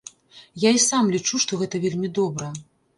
Я і сам лічу, што гэта вельмі добра.